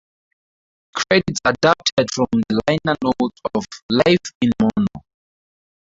Credits adapted from the liner notes of "Life in Mono".